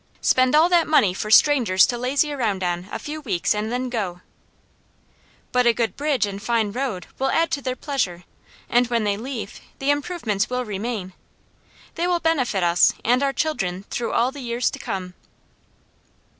"Spend all that money for strangers to lazy around on a few weeks and then go!" "But a good bridge and fine road will add to their pleasure, and when they leave, the improvements remain. They will benefit us and our children through all the years to come."